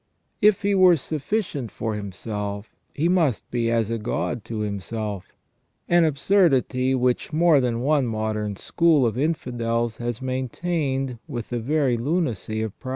If he were sufficient for himself he must be as a god to himself, an absurdity which more than one modern school of infidels has maintained with the very lunacy of pride.